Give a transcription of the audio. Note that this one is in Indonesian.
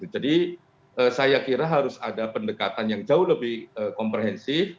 jadi saya kira harus ada pendekatan yang jauh lebih komprehensif